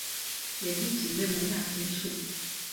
yakigize mu myaka ine ishize